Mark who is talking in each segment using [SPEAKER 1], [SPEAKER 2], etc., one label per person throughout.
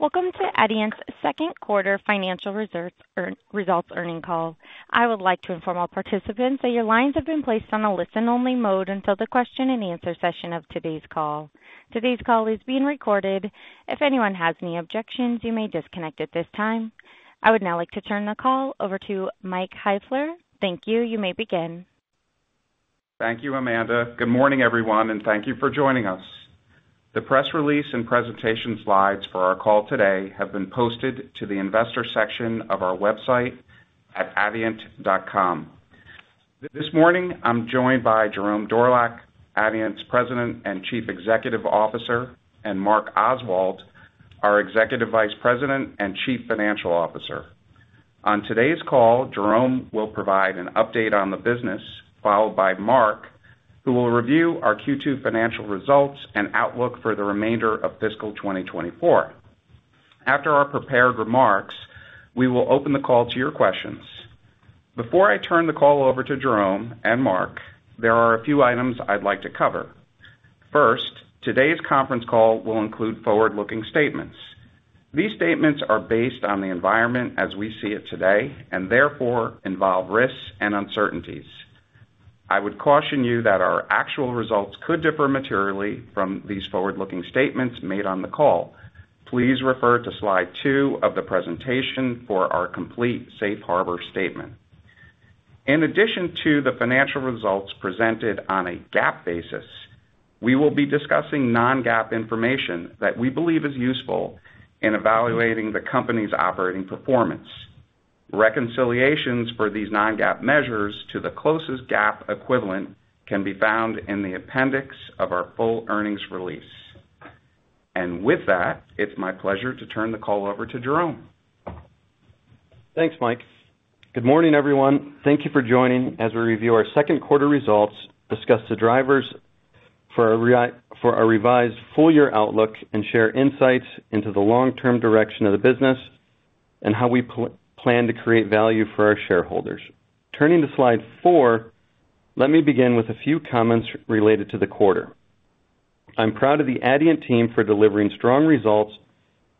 [SPEAKER 1] Welcome to Adient's second quarter financial results earnings call. I would like to inform all participants that your lines have been placed on a listen-only mode until the question-and-answer session of today's call. Today's call is being recorded. If anyone has any objections, you may disconnect at this time. I would now like to turn the call over to Mike Heifler. Thank you. You may begin.
[SPEAKER 2] Thank you, Amanda. Good morning, everyone, and thank you for joining us. The press release and presentation slides for our call today have been posted to the investor section of our website at adient.com. This morning, I'm joined by Jerome Dorlack, Adient's President and Chief Executive Officer, and Mark Oswald, our Executive Vice President and Chief Financial Officer. On today's call, Jerome will provide an update on the business, followed by Mark, who will review our Q2 financial results and outlook for the remainder of fiscal 2024. After our prepared remarks, we will open the call to your questions. Before I turn the call over to Jerome and Mark, there are a few items I'd like to cover. First, today's conference call will include forward-looking statements. These statements are based on the environment as we see it today and therefore involve risks and uncertainties. I would caution you that our actual results could differ materially from these forward-looking statements made on the call. Please refer to slide two of the presentation for our complete Safe Harbor statement. In addition to the financial results presented on a GAAP basis, we will be discussing non-GAAP information that we believe is useful in evaluating the company's operating performance. Reconciliations for these non-GAAP measures to the closest GAAP equivalent can be found in the appendix of our full earnings release. And with that, it's my pleasure to turn the call over to Jerome.
[SPEAKER 3] Thanks, Mike. Good morning, everyone. Thank you for joining. As we review our second quarter results, discuss the drivers for our revised full-year outlook, and share insights into the long-term direction of the business and how we plan to create value for our shareholders. Turning to slide four, let me begin with a few comments related to the quarter. I'm proud of the Adient team for delivering strong results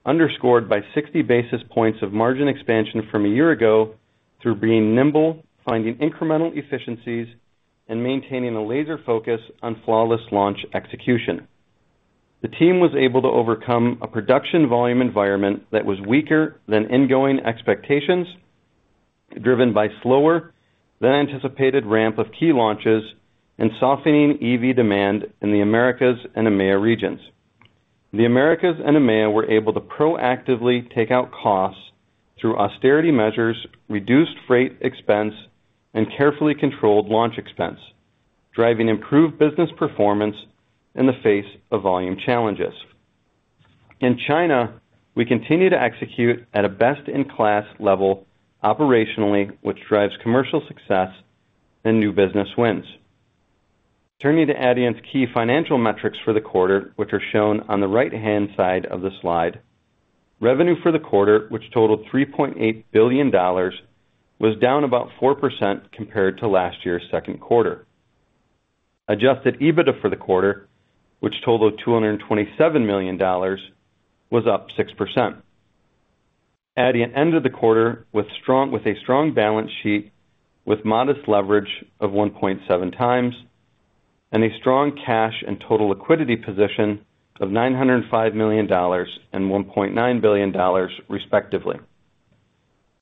[SPEAKER 3] underscored by 60 basis points of margin expansion from a year ago through being nimble, finding incremental efficiencies, and maintaining a laser focus on flawless launch execution. The team was able to overcome a production volume environment that was weaker than ingoing expectations, driven by a slower than anticipated ramp of key launches, and softening EV demand in the Americas and EMEA regions. The Americas and EMEA were able to proactively take out costs through austerity measures, reduced freight expense, and carefully controlled launch expense, driving improved business performance in the face of volume challenges. In China, we continue to execute at a best-in-class level operationally, which drives commercial success and new business wins. Turning to Adient's key financial metrics for the quarter, which are shown on the right-hand side of the slide, revenue for the quarter, which totaled $3.8 billion, was down about 4% compared to last year's second quarter. Adjusted EBITDA for the quarter, which totaled $227 million, was up 6%. Adient ended the quarter with a strong balance sheet with modest leverage of 1.7x and a strong cash and total liquidity position of $905 million and $1.9 billion, respectively.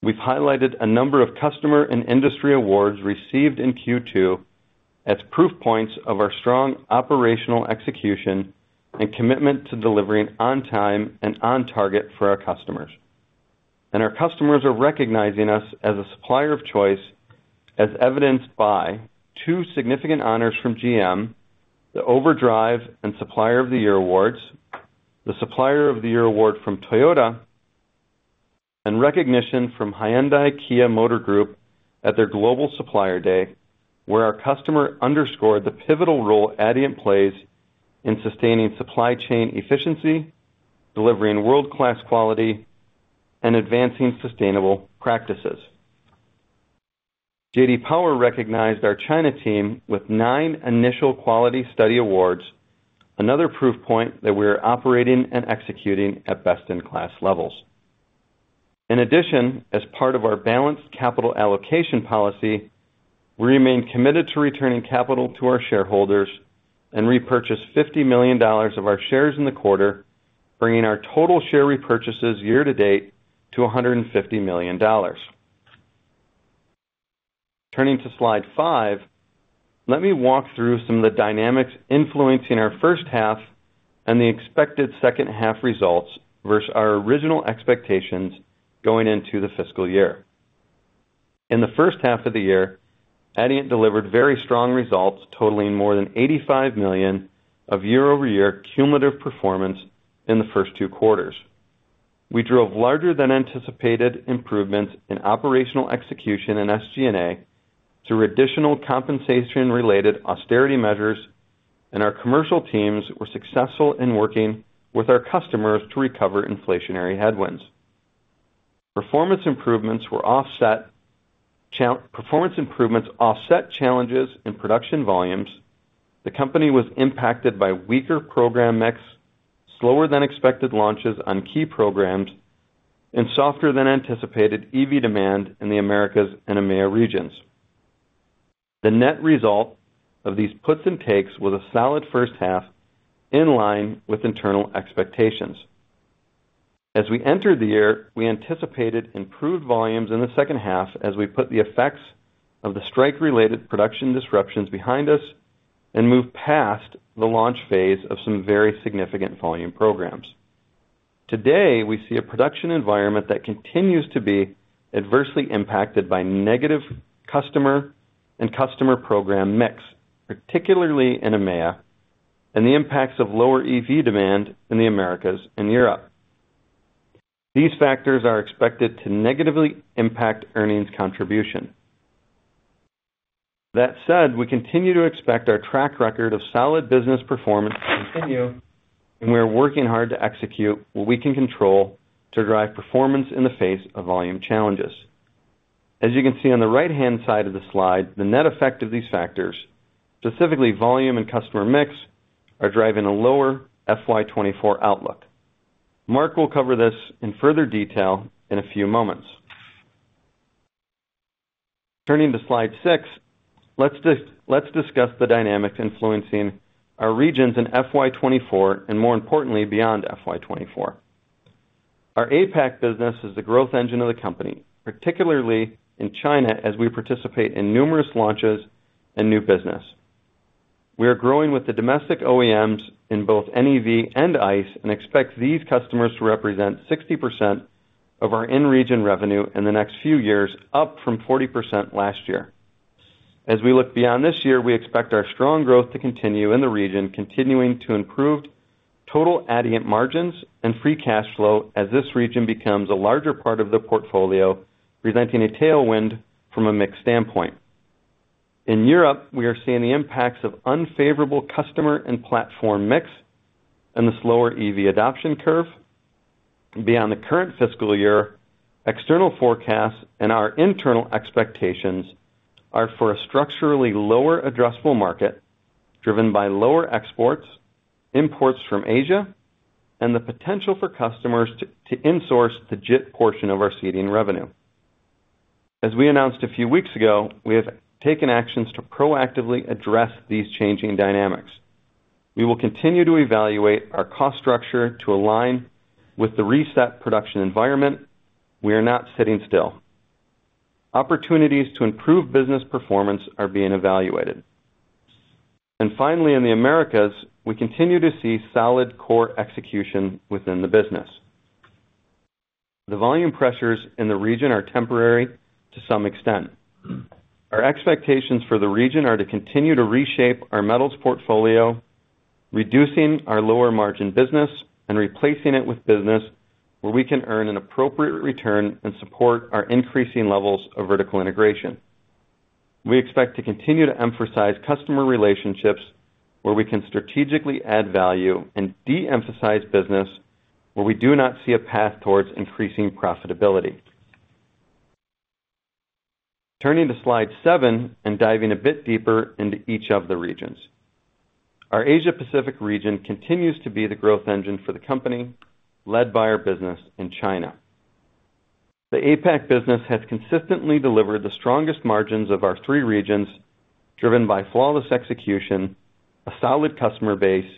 [SPEAKER 3] We've highlighted a number of customer and industry awards received in Q2 as proof points of our strong operational execution and commitment to delivering on time and on target for our customers. Our customers are recognizing us as a supplier of choice, as evidenced by two significant honors from GM, the Overdrive and Supplier of the Year awards, the Supplier of the Year award from Toyota, and recognition from Hyundai-Kia Motor Group at their Global Supplier Day, where our customer underscored the pivotal role Adient plays in sustaining supply chain efficiency, delivering world-class quality, and advancing sustainable practices. J.D. Power recognized our China team with nine Initial Quality Study Awards, another proof point that we are operating and executing at best-in-class levels. In addition, as part of our balanced capital allocation policy, we remain committed to returning capital to our shareholders and repurchase $50 million of our shares in the quarter, bringing our total share repurchases year to date to $150 million. Turning to slide five, let me walk through some of the dynamics influencing our first half and the expected second half results versus our original expectations going into the fiscal year. In the first half of the year, Adient delivered very strong results totaling more than $85 million of year-over-year cumulative performance in the first two quarters. We drove larger than anticipated improvements in operational execution and SG&A through additional compensation-related austerity measures, and our commercial teams were successful in working with our customers to recover inflationary headwinds. Performance improvements offset challenges in production volumes. The company was impacted by weaker program mix, slower than expected launches on key programs, and softer than anticipated EV demand in the Americas and EMEA regions. The net result of these puts and takes was a solid first half in line with internal expectations. As we entered the year, we anticipated improved volumes in the second half as we put the effects of the strike-related production disruptions behind us and moved past the launch phase of some very significant volume programs. Today, we see a production environment that continues to be adversely impacted by negative customer and customer program mix, particularly in EMEA, and the impacts of lower EV demand in the Americas and Europe. These factors are expected to negatively impact earnings contribution. That said, we continue to expect our track record of solid business performance to continue, and we are working hard to execute what we can control to drive performance in the face of volume challenges. As you can see on the right-hand side of the slide, the net effect of these factors, specifically volume and customer mix, are driving a lower FY24 outlook. Mark will cover this in further detail in a few moments. Turning to slide six, let's discuss the dynamics influencing our regions in FY24 and, more importantly, beyond FY24. Our APAC business is the growth engine of the company, particularly in China as we participate in numerous launches and new business. We are growing with the domestic OEMs in both NEV and ICE and expect these customers to represent 60% of our in-region revenue in the next few years, up from 40% last year. As we look beyond this year, we expect our strong growth to continue in the region, continuing to improve total Adient margins and free cash flow as this region becomes a larger part of the portfolio, presenting a tailwind from a mixed standpoint. In Europe, we are seeing the impacts of unfavorable customer and platform mix and the slower EV adoption curve. Beyond the current fiscal year, external forecasts and our internal expectations are for a structurally lower addressable market driven by lower exports, imports from Asia, and the potential for customers to insource the JIT portion of our seating revenue. As we announced a few weeks ago, we have taken actions to proactively address these changing dynamics. We will continue to evaluate our cost structure to align with the reset production environment. We are not sitting still. Opportunities to improve business performance are being evaluated. And finally, in the Americas, we continue to see solid core execution within the business. The volume pressures in the region are temporary to some extent. Our expectations for the region are to continue to reshape our metals portfolio, reducing our lower margin business and replacing it with business where we can earn an appropriate return and support our increasing levels of vertical integration. We expect to continue to emphasize customer relationships where we can strategically add value and de-emphasize business where we do not see a path towards increasing profitability. Turning to slide seven and diving a bit deeper into each of the regions. Our Asia-Pacific region continues to be the growth engine for the company, led by our business in China. The APAC business has consistently delivered the strongest margins of our three regions, driven by flawless execution, a solid customer base,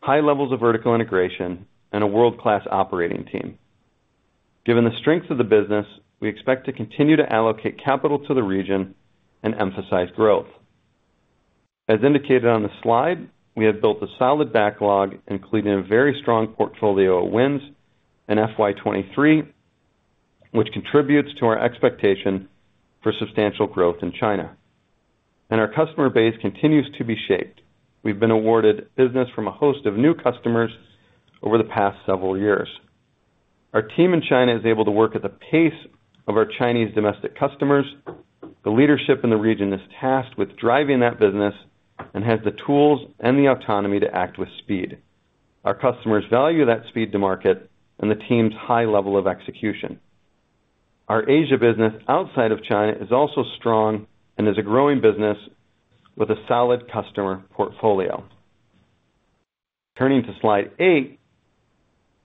[SPEAKER 3] high levels of vertical integration, and a world-class operating team. Given the strengths of the business, we expect to continue to allocate capital to the region and emphasize growth. As indicated on the slide, we have built a solid backlog, including a very strong portfolio of wins in FY23, which contributes to our expectation for substantial growth in China. Our customer base continues to be shaped. We've been awarded business from a host of new customers over the past several years. Our team in China is able to work at the pace of our Chinese domestic customers. The leadership in the region is tasked with driving that business and has the tools and the autonomy to act with speed. Our customers value that speed to market and the team's high level of execution. Our Asia business outside of China is also strong and is a growing business with a solid customer portfolio. Turning to slide eight,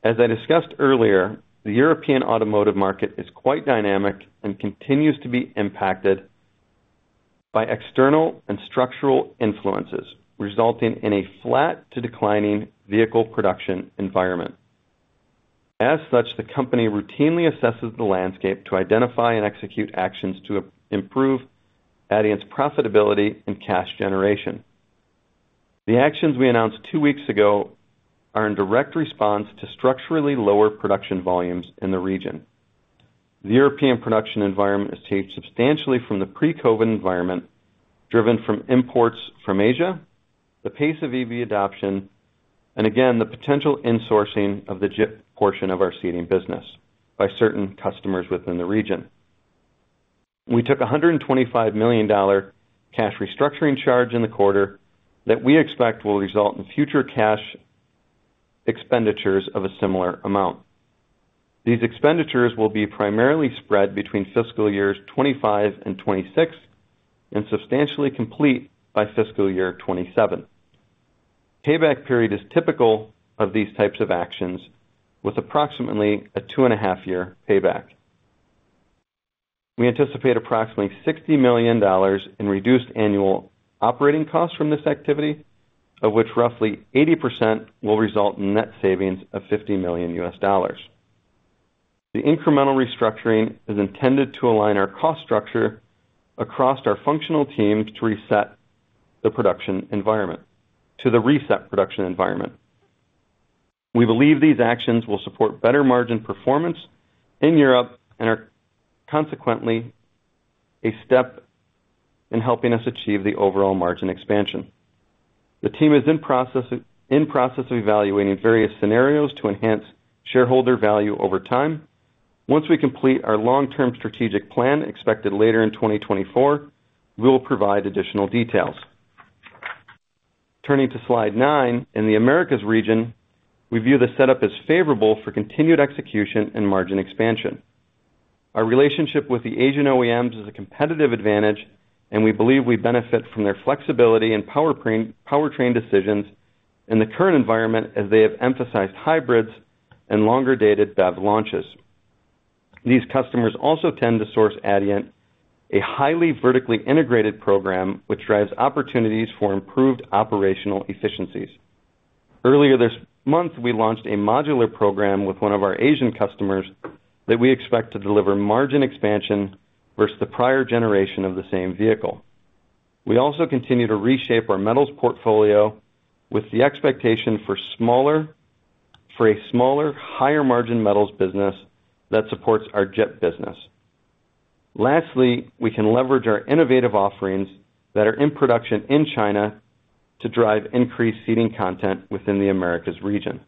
[SPEAKER 3] as I discussed earlier, the European automotive market is quite dynamic and continues to be impacted by external and structural influences, resulting in a flat to declining vehicle production environment. As such, the company routinely assesses the landscape to identify and execute actions to improve Adient's profitability and cash generation. The actions we announced two weeks ago are in direct response to structurally lower production volumes in the region. The European production environment is tapered substantially from the pre-COVID environment, driven by imports from Asia, the pace of EV adoption, and again, the potential insourcing of the JIT portion of our seating business by certain customers within the region. We took a $125 million cash restructuring charge in the quarter that we expect will result in future cash expenditures of a similar amount. These expenditures will be primarily spread between fiscal years 2025 and 2026 and substantially complete by fiscal year 2027. Payback period is typical of these types of actions, with approximately a 2.5-year payback. We anticipate approximately $60 million in reduced annual operating costs from this activity, of which roughly 80% will result in net savings of $50 million. The incremental restructuring is intended to align our cost structure across our functional teams to reset the production environment, to the reset production environment. We believe these actions will support better margin performance in Europe and are consequently a step in helping us achieve the overall margin expansion. The team is in process of evaluating various scenarios to enhance shareholder value over time. Once we complete our long-term strategic plan expected later in 2024, we will provide additional details. Turning to slide nine, in the Americas region, we view the setup as favorable for continued execution and margin expansion. Our relationship with the Asian OEMs is a competitive advantage, and we believe we benefit from their flexibility and powertrain decisions in the current environment as they have emphasized hybrids and longer-dated BEV launches. These customers also tend to source Adient, a highly vertically integrated program, which drives opportunities for improved operational efficiencies. Earlier this month, we launched a modular program with one of our Asian customers that we expect to deliver margin expansion versus the prior generation of the same vehicle. We also continue to reshape our metals portfolio with the expectation for a smaller, higher-margin metals business that supports our JIT business. Lastly, we can leverage our innovative offerings that are in production in China to drive increased seating content within the Americas region.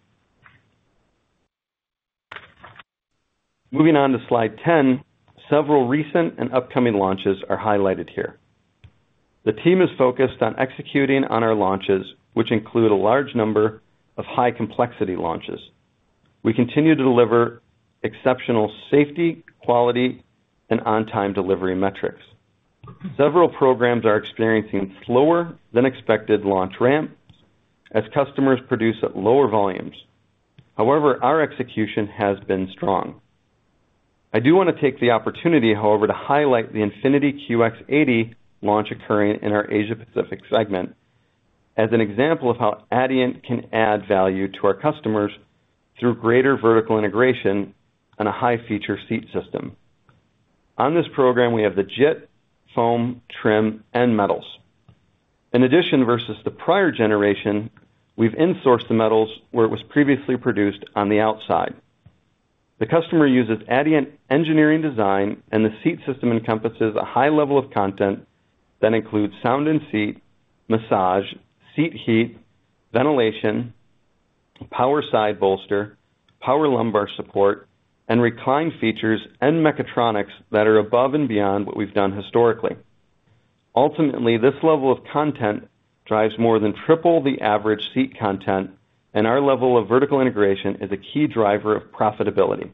[SPEAKER 3] Moving on to slide ten, several recent and upcoming launches are highlighted here. The team is focused on executing on our launches, which include a large number of high-complexity launches. We continue to deliver exceptional safety, quality, and on-time delivery metrics. Several programs are experiencing slower-than-expected launch ramps as customers produce at lower volumes. However, our execution has been strong. I do want to take the opportunity, however, to highlight the Infiniti QX80 launch occurring in our Asia-Pacific segment as an example of how Adient can add value to our customers through greater vertical integration and a high-feature seat system. On this program, we have the JIT, foam, trim, and metals. In addition, versus the prior generation, we've insourced the metals where it was previously produced on the outside. The customer uses Adient engineering design, and the seat system encompasses a high level of content that includes sound in seat, massage, seat heat, ventilation, power side bolster, power lumbar support, and recline features and mechatronics that are above and beyond what we've done historically. Ultimately, this level of content drives more than triple the average seat content, and our level of vertical integration is a key driver of profitability.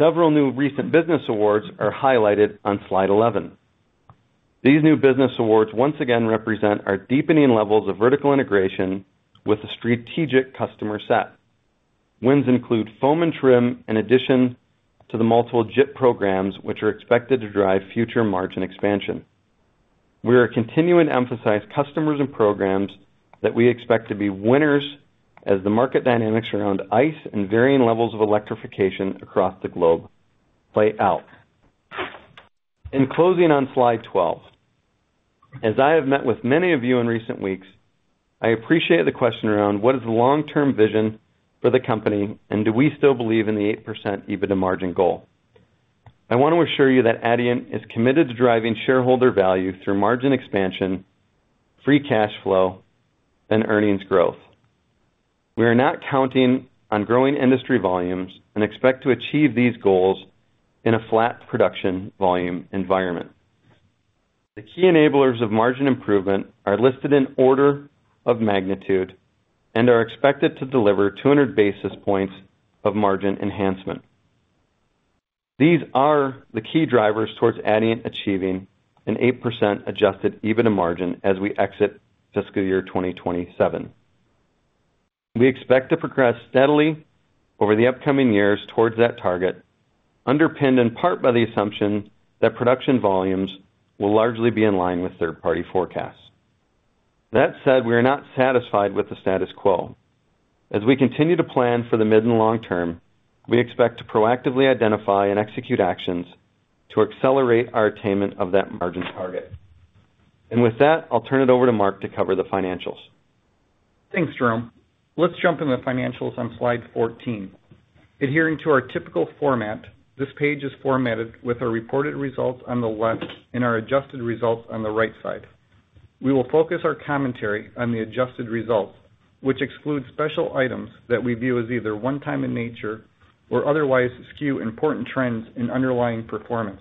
[SPEAKER 3] Several new recent business awards are highlighted on slide 11. These new business awards once again represent our deepening levels of vertical integration with a strategic customer set. Wins include foam and trim in addition to the multiple JIT programs, which are expected to drive future margin expansion. We are continuing to emphasize customers and programs that we expect to be winners as the market dynamics around ICE and varying levels of electrification across the globe play out. In closing on slide 12, as I have met with many of you in recent weeks, I appreciate the question around what is the long-term vision for the company, and do we still believe in the 8% EBITDA margin goal. I want to assure you that Adient is committed to driving shareholder value through margin expansion, free cash flow, and earnings growth. We are not counting on growing industry volumes and expect to achieve these goals in a flat production volume environment. The key enablers of margin improvement are listed in order of magnitude and are expected to deliver 200 basis points of margin enhancement. These are the key drivers towards Adient achieving an 8% adjusted EBITDA margin as we exit fiscal year 2027. We expect to progress steadily over the upcoming years towards that target, underpinned in part by the assumption that production volumes will largely be in line with third-party forecasts. That said, we are not satisfied with the status quo. As we continue to plan for the mid and long term, we expect to proactively identify and execute actions to accelerate our attainment of that margin target. And with that, I'll turn it over to Mark to cover the financials.
[SPEAKER 4] Thanks, Jerome. Let's jump into the financials on slide 14. Adhering to our typical format, this page is formatted with our reported results on the left and our adjusted results on the right side. We will focus our commentary on the adjusted results, which exclude special items that we view as either one-time in nature or otherwise skew important trends in underlying performance.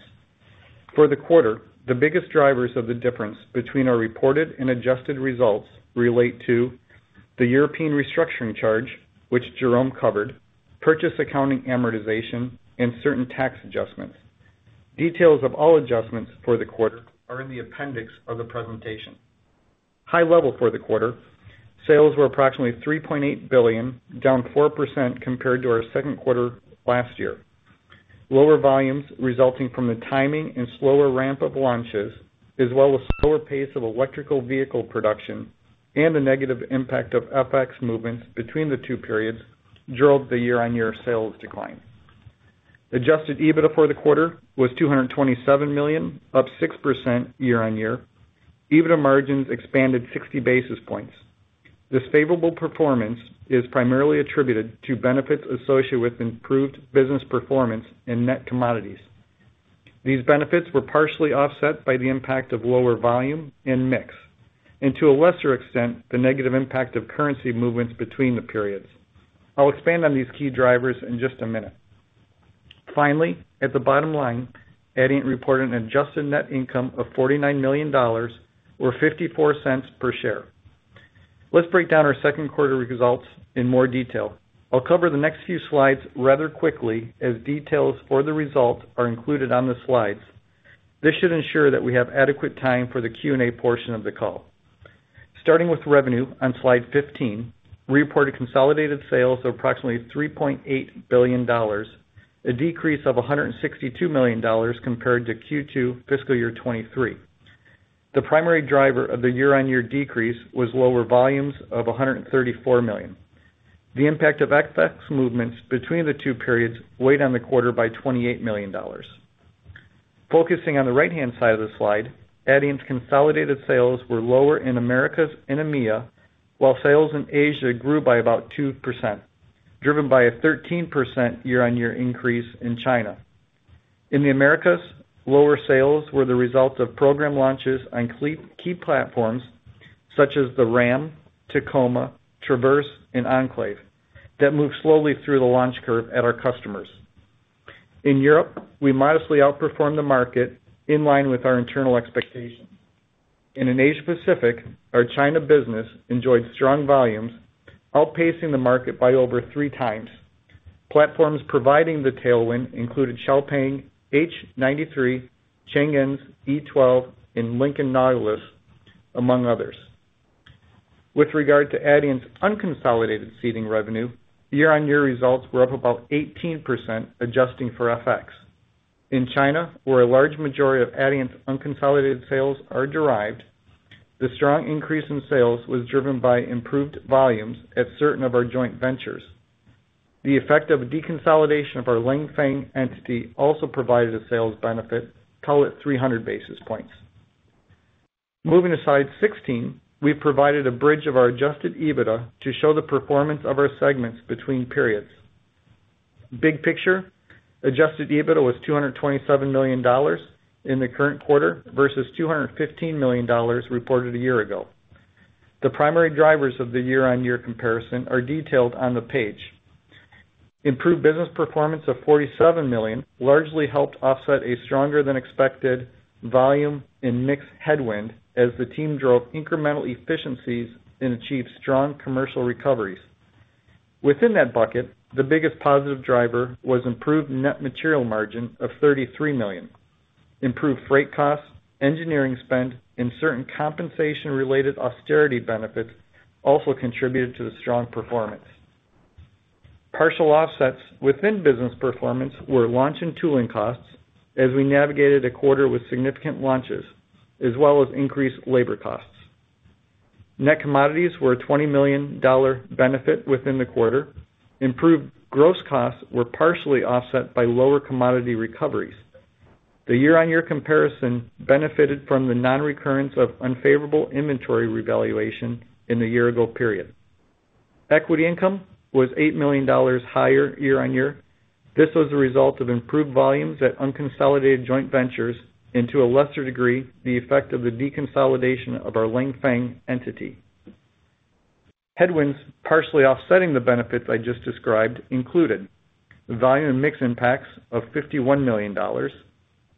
[SPEAKER 4] For the quarter, the biggest drivers of the difference between our reported and adjusted results relate to the European restructuring charge, which Jerome covered, purchase accounting amortization, and certain tax adjustments. Details of all adjustments for the quarter are in the appendix of the presentation. High level for the quarter, sales were approximately $3.8 billion, down 4% compared to our second quarter last year. Lower volumes resulting from the timing and slower ramp of launches, as well as slower pace of electric vehicle production and the negative impact of FX movements between the two periods, drove the year-on-year sales decline. Adjusted EBITDA for the quarter was $227 million, up 6% year-on-year. EBITDA margins expanded 60 basis points. This favorable performance is primarily attributed to benefits associated with improved business performance in net commodities. These benefits were partially offset by the impact of lower volume and mix, and to a lesser extent, the negative impact of currency movements between the periods. I'll expand on these key drivers in just a minute. Finally, at the bottom line, Adient reported an adjusted net income of $49 million or $0.54 per share. Let's break down our second quarter results in more detail. I'll cover the next few slides rather quickly as details for the results are included on the slides. This should ensure that we have adequate time for the Q&A portion of the call. Starting with revenue on slide 15, we reported consolidated sales of approximately $3.8 billion, a decrease of $162 million compared to Q2 fiscal year 2023. The primary driver of the year-on-year decrease was lower volumes of $134 million. The impact of FX movements between the two periods weighed on the quarter by $28 million. Focusing on the right-hand side of the slide, Adient's consolidated sales were lower in Americas and EMEA, while sales in Asia grew by about 2%, driven by a 13% year-on-year increase in China. In the Americas, lower sales were the result of program launches on key platforms such as the RAM, Tacoma, Traverse, and Enclave that moved slowly through the launch curve at our customers. In Europe, we modestly outperformed the market in line with our internal expectations. In Asia-Pacific, our China business enjoyed strong volumes, outpacing the market by over 3x. Platforms providing the tailwind included XPeng, H93, Changan's E12, and Lincoln Nautilus, among others. With regard to Adient's unconsolidated seating revenue, year-on-year results were up about 18% adjusting for FX. In China, where a large majority of Adient's unconsolidated sales are derived, the strong increase in sales was driven by improved volumes at certain of our joint ventures. The effect of deconsolidation of our Langfang entity also provided a sales benefit, call it 300 basis points. Moving aside 16, we provided a bridge of our Adjusted EBITDA to show the performance of our segments between periods. Big picture, Adjusted EBITDA was $227 million in the current quarter versus $215 million reported a year ago. The primary drivers of the year-on-year comparison are detailed on the page. Improved business performance of $47 million largely helped offset a stronger-than-expected volume and mix headwind as the team drove incremental efficiencies and achieved strong commercial recoveries. Within that bucket, the biggest positive driver was improved net material margin of $33 million. Improved freight costs, engineering spend, and certain compensation-related austerity benefits also contributed to the strong performance. Partial offsets within business performance were launch and tooling costs as we navigated a quarter with significant launches, as well as increased labor costs. Net commodities were a $20 million benefit within the quarter. Improved gross costs were partially offset by lower commodity recoveries. The year-on-year comparison benefited from the non-recurrence of unfavorable inventory revaluation in the year-ago period. Equity income was $8 million higher year-on-year. This was the result of improved volumes at unconsolidated joint ventures and, to a lesser degree, the effect of the deconsolidation of our Langfang entity. Headwinds partially offsetting the benefits I just described included volume and mix impacts of $51 million.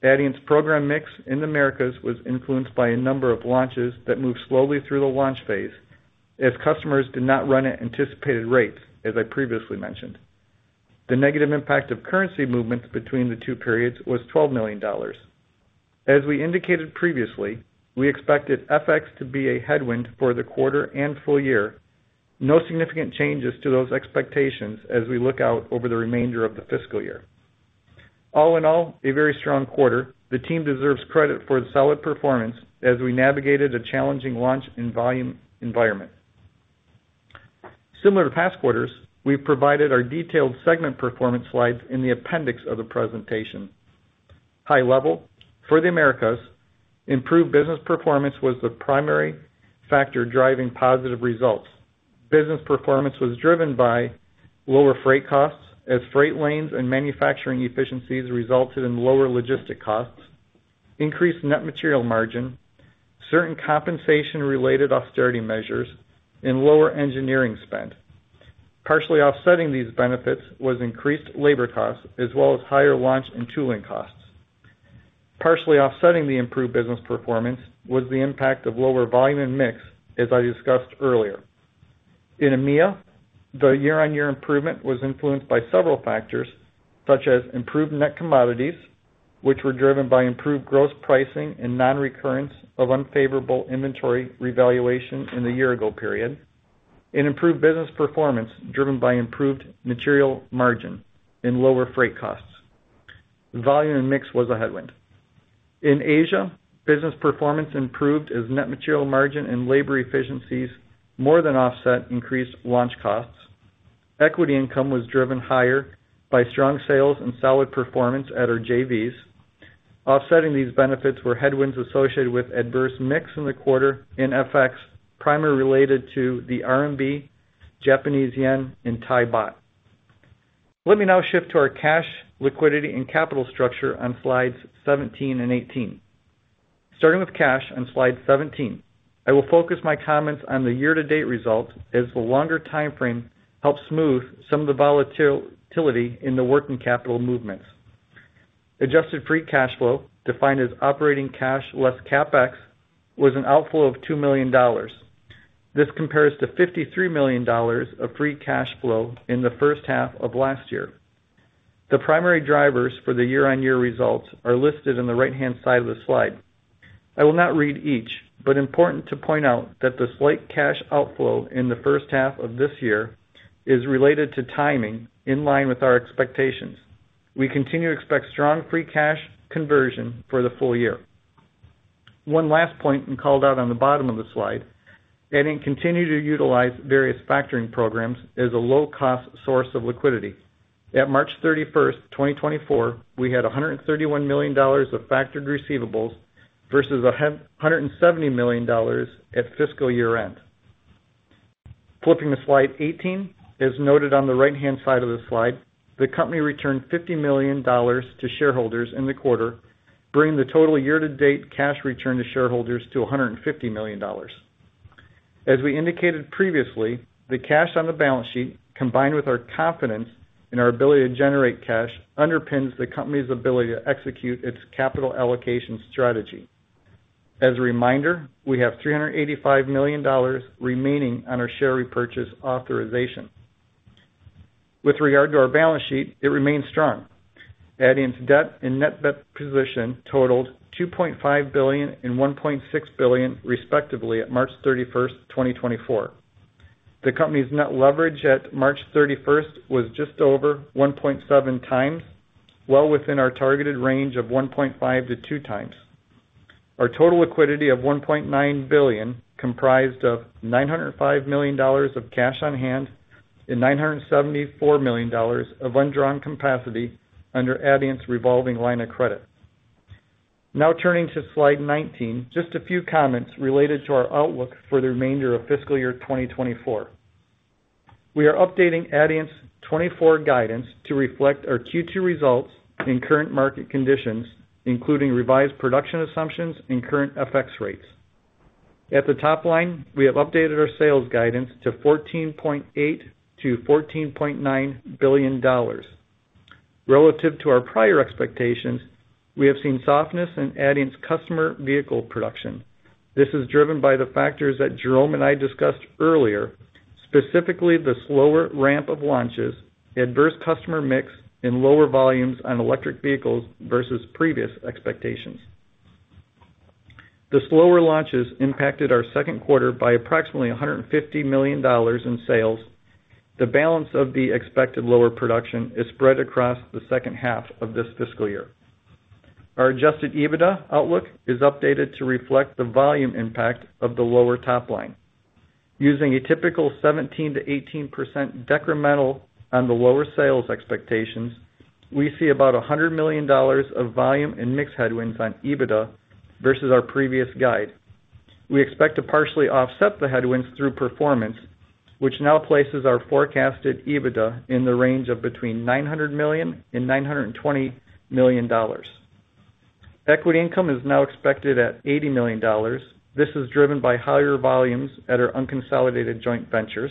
[SPEAKER 4] Adient's program mix in the Americas was influenced by a number of launches that moved slowly through the launch phase as customers did not run at anticipated rates, as I previously mentioned. The negative impact of currency movements between the two periods was $12 million. As we indicated previously, we expected FX to be a headwind for the quarter and full year. No significant changes to those expectations as we look out over the remainder of the fiscal year. All in all, a very strong quarter. The team deserves credit for solid performance as we navigated a challenging launch and volume environment. Similar to past quarters, we've provided our detailed segment performance slides in the appendix of the presentation. High level, for the Americas, improved business performance was the primary factor driving positive results. Business performance was driven by lower freight costs as freight lanes and manufacturing efficiencies resulted in lower logistics costs, increased net material margin, certain compensation-related austerity measures, and lower engineering spend. Partially offsetting these benefits was increased labor costs as well as higher launch and tooling costs. Partially offsetting the improved business performance was the impact of lower volume and mix, as I discussed earlier. In EMEA, the year-on-year improvement was influenced by several factors such as improved net commodities, which were driven by improved gross pricing and non-recurrence of unfavorable inventory revaluation in the year-ago period, and improved business performance driven by improved material margin and lower freight costs. Volume and mix was a headwind. In Asia, business performance improved as net material margin and labor efficiencies more than offset increased launch costs. Equity income was driven higher by strong sales and solid performance at our JVs. Offsetting these benefits were headwinds associated with adverse mix in the quarter in FX primarily related to the RMB, Japanese yen, and Thai baht. Let me now shift to our cash, liquidity, and capital structure on slides 17 and 18. Starting with cash on slide 17, I will focus my comments on the year-to-date results as the longer time frame helps smooth some of the volatility in the working capital movements. Adjusted free cash flow, defined as operating cash less CapEx, was an outflow of $2 million. This compares to $53 million of free cash flow in the first half of last year. The primary drivers for the year-over-year results are listed on the right-hand side of the slide. I will not read each, but important to point out that the slight cash outflow in the first half of this year is related to timing in line with our expectations. We continue to expect strong free cash conversion for the full year. One last point and called out on the bottom of the slide, Adient continued to utilize various factoring programs as a low-cost source of liquidity. At March 31st, 2024, we had $131 million of factored receivables versus $170 million at fiscal year-end. Flipping to slide 18, as noted on the right-hand side of the slide, the company returned $50 million to shareholders in the quarter, bringing the total year-to-date cash return to shareholders to $150 million. As we indicated previously, the cash on the balance sheet, combined with our confidence in our ability to generate cash, underpins the company's ability to execute its capital allocation strategy. As a reminder, we have $385 million remaining on our share repurchase authorization. With regard to our balance sheet, it remains strong. Adient's debt and net debt position totaled $2.5 billion and $1.6 billion, respectively, at March 31st, 2024. The company's net leverage at March 31st was just over 1.7x, well within our targeted range of 1.5-2x. Our total liquidity of $1.9 billion comprised of $905 million of cash on hand and $974 million of undrawn capacity under Adient's revolving line of credit. Now turning to slide 19, just a few comments related to our outlook for the remainder of fiscal year 2024. We are updating Adient's 2024 guidance to reflect our Q2 results and current market conditions, including revised production assumptions and current FX rates. At the top line, we have updated our sales guidance to $14.8-$14.9 billion. Relative to our prior expectations, we have seen softness in Adient's customer vehicle production. This is driven by the factors that Jerome and I discussed earlier, specifically the slower ramp of launches, adverse customer mix, and lower volumes on electric vehicles versus previous expectations. The slower launches impacted our second quarter by approximately $150 million in sales. The balance of the expected lower production is spread across the second half of this fiscal year. Our Adjusted EBITDA outlook is updated to reflect the volume impact of the lower top line. Using a typical 17%-18% decremental on the lower sales expectations, we see about $100 million of volume and mix headwinds on EBITDA versus our previous guide. We expect to partially offset the headwinds through performance, which now places our forecasted EBITDA in the range of between $900 million and $920 million. Equity income is now expected at $80 million. This is driven by higher volumes at our unconsolidated joint ventures.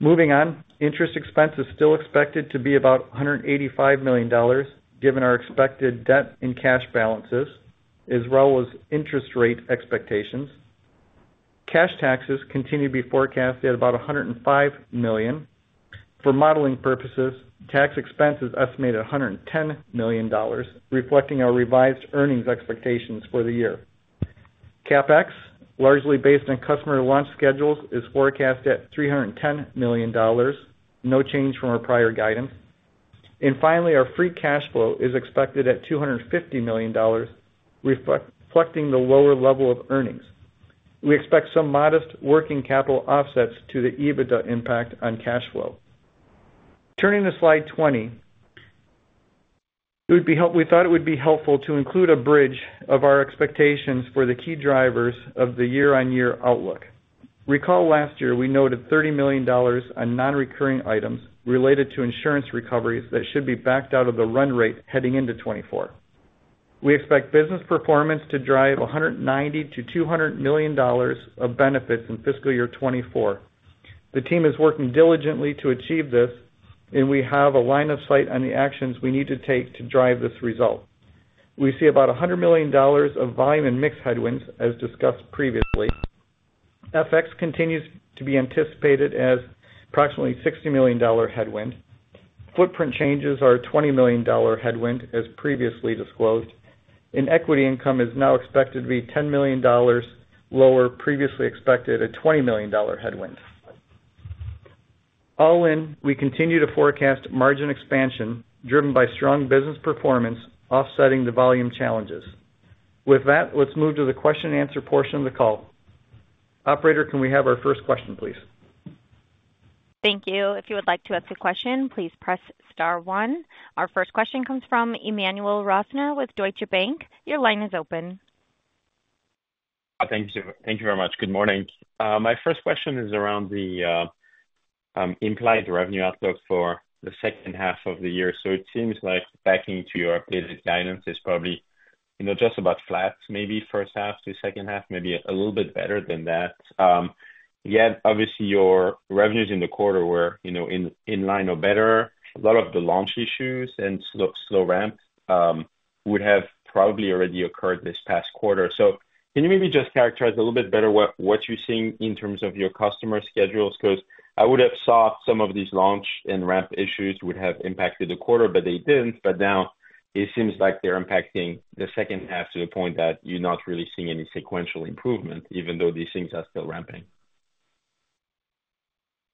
[SPEAKER 4] Moving on, interest expense is still expected to be about $185 million, given our expected debt and cash balances, as well as interest rate expectations. Cash taxes continue to be forecast at about $105 million. For modeling purposes, tax expense is estimated at $110 million, reflecting our revised earnings expectations for the year. CapEx, largely based on customer launch schedules, is forecast at $310 million, no change from our prior guidance. And finally, our free cash flow is expected at $250 million, reflecting the lower level of earnings. We expect some modest working capital offsets to the EBITDA impact on cash flow. Turning to slide 20, we thought it would be helpful to include a bridge of our expectations for the key drivers of the year-on-year outlook. Recall last year, we noted $30 million on non-recurring items related to insurance recoveries that should be backed out of the run rate heading into 2024. We expect business performance to drive $190-$200 million of benefits in fiscal year 2024. The team is working diligently to achieve this, and we have a line of sight on the actions we need to take to drive this result. We see about $100 million of volume and mix headwinds, as discussed previously. FX continues to be anticipated as approximately a $60 million headwind. Footprint changes are a $20 million headwind, as previously disclosed. Equity income is now expected to be $10 million lower than previously expected at a $20 million headwind. All in, we continue to forecast margin expansion driven by strong business performance offsetting the volume challenges. With that, let's move to the question-and-answer portion of the call. Operator, can we have our first question, please?
[SPEAKER 1] Thank you. If you would like to ask a question, please press star one. Our first question comes from Emmanuel Rosner with Deutsche Bank. Your line is open.
[SPEAKER 5] Thank you very much. Good morning. My first question is around the implied revenue outlook for the second half of the year. So it seems like backing to your updated guidance is probably just about flat, maybe first half to second half, maybe a little bit better than that. Yet, obviously, your revenues in the quarter were in line or better. A lot of the launch issues and slow ramp would have probably already occurred this past quarter. So can you maybe just characterize a little bit better what you're seeing in terms of your customer schedules? Because I would have thought some of these launch and ramp issues would have impacted the quarter, but they didn't. But now it seems like they're impacting the second half to the point that you're not really seeing any sequential improvement, even though these things are still ramping.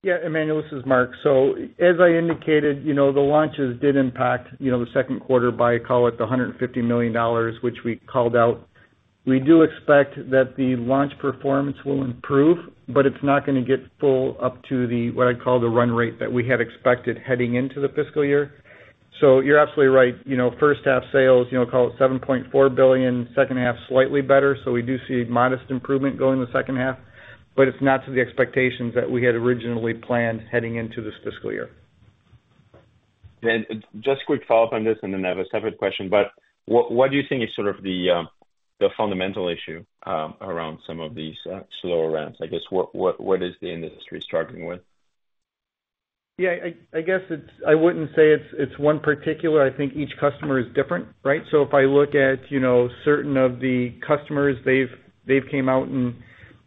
[SPEAKER 4] Yeah, Emmanuel, this is Mark. So as I indicated, the launches did impact the second quarter by, call it, the $150 million, which we called out. We do expect that the launch performance will improve, but it's not going to get full up to what I'd call the run rate that we had expected heading into the fiscal year. So you're absolutely right. First half sales, call it $7.4 billion, second half slightly better. So we do see modest improvement going the second half, but it's not to the expectations that we had originally planned heading into this fiscal year.
[SPEAKER 5] Just a quick follow-up on this, and then I have a separate question. But what do you think is sort of the fundamental issue around some of these slower ramps? I guess, what is the industry struggling with?
[SPEAKER 4] Yeah, I guess I wouldn't say it's one particular. I think each customer is different, right? So if I look at certain of the customers, they've came out and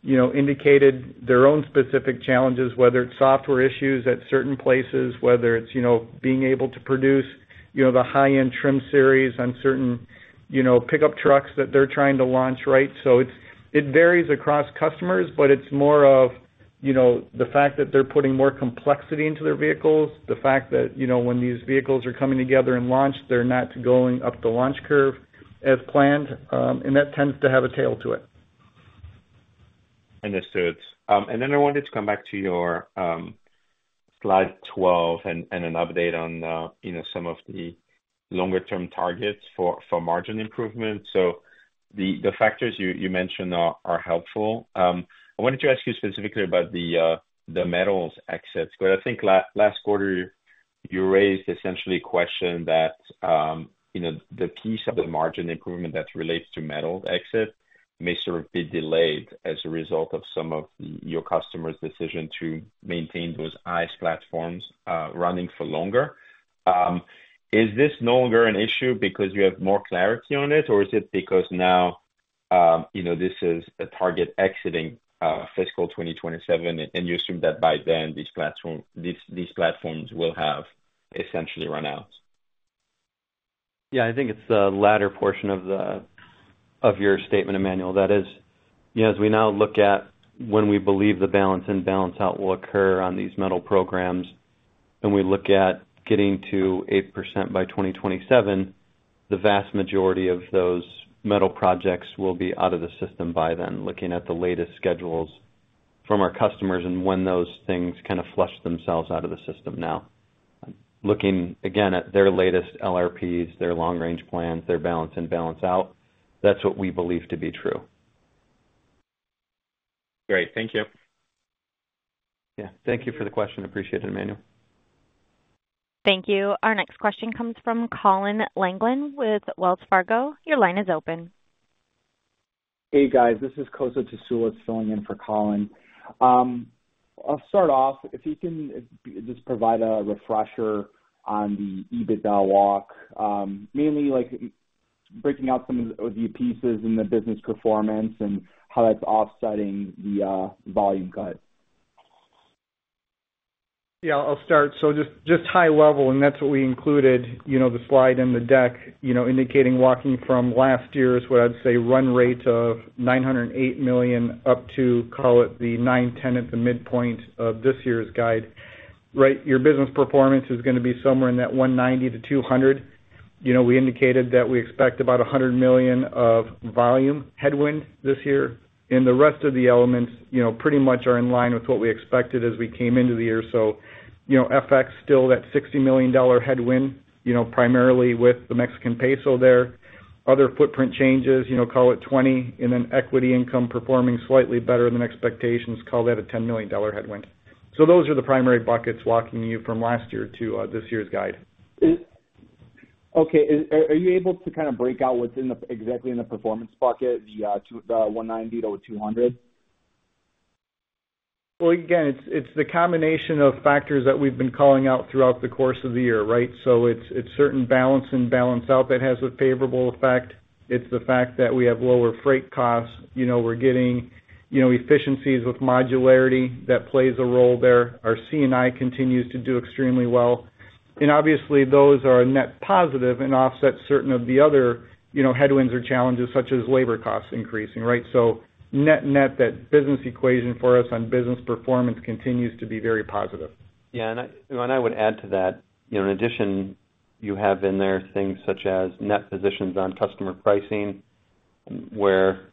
[SPEAKER 4] indicated their own specific challenges, whether it's software issues at certain places, whether it's being able to produce the high-end trim series on certain pickup trucks that they're trying to launch, right? So it varies across customers, but it's more of the fact that they're putting more complexity into their vehicles, the fact that when these vehicles are coming together and launched, they're not going up the launch curve as planned. And that tends to have a tail to it.
[SPEAKER 5] Understood. Then I wanted to come back to your slide 12 and an update on some of the longer-term targets for margin improvement. The factors you mentioned are helpful. I wanted to ask you specifically about the Metals exits. Because I think last quarter, you raised essentially a question that the piece of the margin improvement that relates to Metals exit may sort of be delayed as a result of some of your customer's decision to maintain those ICE platforms running for longer. Is this no longer an issue because you have more clarity on it, or is it because now this is a target exiting fiscal 2027, and you assume that by then, these platforms will have essentially run out?
[SPEAKER 3] Yeah, I think it's the latter portion of your statement, Emmanuel. That is, as we now look at when we believe the balance and balance out will occur on these metal programs, and we look at getting to 8% by 2027, the vast majority of those metal projects will be out of the system by then, looking at the latest schedules from our customers and when those things kind of flush themselves out of the system now. Looking, again, at their latest LRPs, their long-range plans, their balance and balance out, that's what we believe to be true.
[SPEAKER 5] Great. Thank you.
[SPEAKER 3] Yeah. Thank you for the question. Appreciate it, Emmanuel. Thank you. Our next question comes from Colin Langan with Wells Fargo. Your line is open. Hey, guys.
[SPEAKER 6] This is Kosta Tasoulis filling in for Colin. I'll start off, if you can just provide a refresher on the EBITDA walk, mainly breaking out some of the pieces in the business performance and how that's offsetting the volume cut.
[SPEAKER 4] Yeah, I'll start. So just high level, and that's what we included, the slide in the deck indicating walking from last year's, what I'd say, run rate of $908 million up to, call it, the $910 million at the midpoint of this year's guide, right? Your business performance is going to be somewhere in that $190 million-$200 million. We indicated that we expect about $100 million of volume headwind this year. And the rest of the elements pretty much are in line with what we expected as we came into the year. So FX, still that $60 million headwind, primarily with the Mexican peso there. Other footprint changes, call it $20 million. And then equity income performing slightly better than expectations, call that a $10 million headwind. So those are the primary buckets walking you from last year to this year's guide.
[SPEAKER 6] Okay. Are you able to kind of break out what's exactly in the performance bucket, the $190-$200?
[SPEAKER 4] Well, again, it's the combination of factors that we've been calling out throughout the course of the year, right? So it's the Balance In/Balance Out that has a favorable effect. It's the fact that we have lower freight costs. We're getting efficiencies with modularity that plays a role there. Our C&I continues to do extremely well. And obviously, those are net positive and offset certain of the other headwinds or challenges, such as labor costs increasing, right? So net-net that business equation for us on business performance continues to be very positive. Yeah. I would add to that, in addition, you have in there things such as net positions on customer pricing, where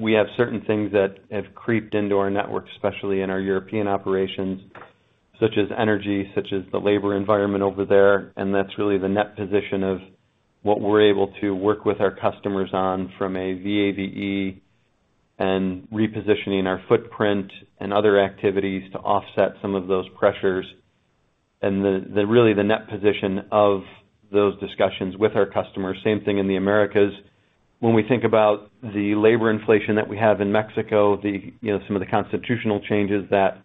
[SPEAKER 4] we have certain things that have creeped into our network, especially in our European operations, such as energy, such as the labor environment over there. That's really the net position of what we're able to work with our customers on from a VAVE and repositioning our footprint and other activities to offset some of those pressures. Really, the net position of those discussions with our customers, same thing in the Americas. When we think about the labor inflation that we have in Mexico, some of the constitutional changes that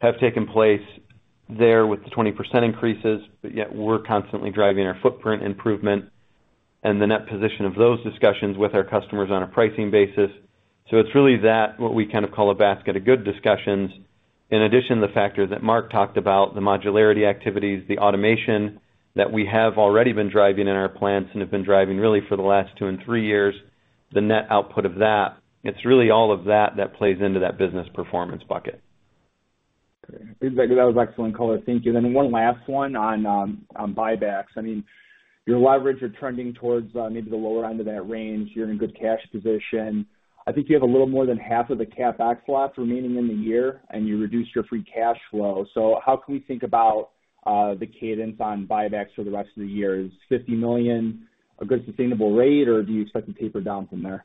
[SPEAKER 4] have taken place there with the 20% increases, but yet we're constantly driving our footprint improvement and the net position of those discussions with our customers on a pricing basis. So it's really that, what we kind of call a basket of good discussions. In addition, the factor that Mark talked about, the modularity activities, the automation that we have already been driving in our plants and have been driving really for the last 2 and 3 years, the net output of that, it's really all of that that plays into that business performance bucket.
[SPEAKER 6] Great. That was excellent, Colin. Thank you. Then one last one on buybacks. I mean, your leverage are trending towards maybe the lower end of that range. You're in a good cash position. I think you have a little more than half of the CapEx lot remaining in the year, and you reduce your free cash flow. So how can we think about the cadence on buybacks for the rest of the year? Is $50 million a good sustainable rate, or do you expect to taper down from there?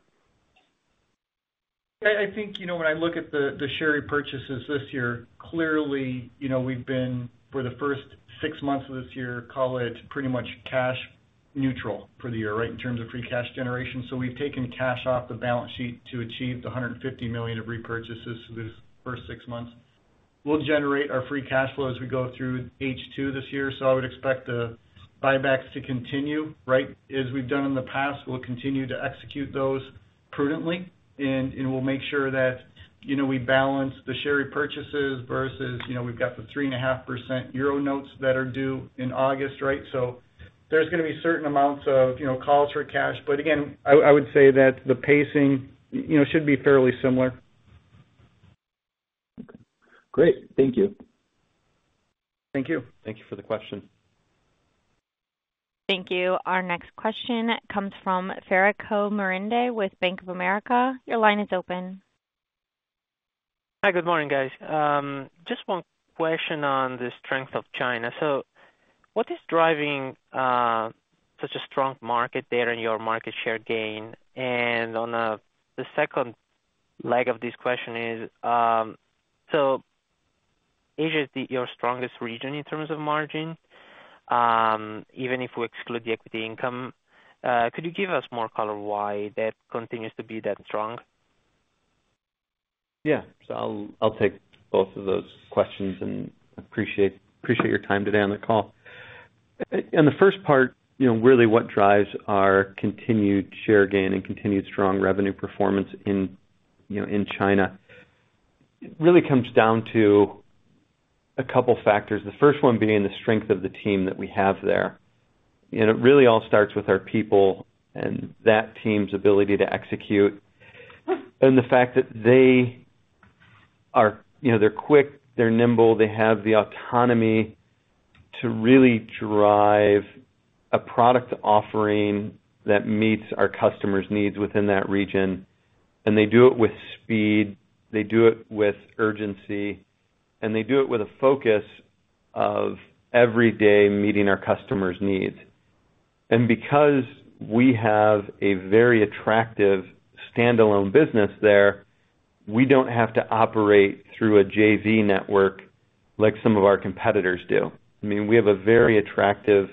[SPEAKER 4] Yeah, I think when I look at the share repurchases this year, clearly, we've been, for the first six months of this year, call it pretty much cash neutral for the year, right, in terms of free cash generation. So we've taken cash off the balance sheet to achieve the $150 million of repurchases for these first six months. We'll generate our free cash flow as we go through H2 this year. So I would expect the buybacks to continue, right? As we've done in the past, we'll continue to execute those prudently, and we'll make sure that we balance the share repurchases versus we've got the 3.5% euro notes that are due in August, right? So there's going to be certain amounts of calls for cash. But again, I would say that the pacing should be fairly similar.
[SPEAKER 6] Okay. Great. Thank you.
[SPEAKER 4] Thank you.
[SPEAKER 3] Thank you for the question.
[SPEAKER 1] Thank you. Our next question comes from Federico Merendi with Bank of America. Your line is open.
[SPEAKER 7] Hi, good morning, guys. Just one question on the strength of China. So what is driving such a strong market there and your market share gain? And on the second leg of this question is, so Asia is your strongest region in terms of margin, even if we exclude the equity income. Could you give us more, Colin, why that continues to be that strong?
[SPEAKER 3] Yeah. So I'll take both of those questions, and I appreciate your time today on the call. On the first part, really, what drives our continued share gain and continued strong revenue performance in China really comes down to a couple of factors, the first one being the strength of the team that we have there. It really all starts with our people and that team's ability to execute and the fact that they're quick, they're nimble, they have the autonomy to really drive a product offering that meets our customers' needs within that region. And they do it with speed. They do it with urgency. And they do it with a focus of every day meeting our customers' needs. And because we have a very attractive standalone business there, we don't have to operate through a JV network like some of our competitors do. I mean, we have a very attractive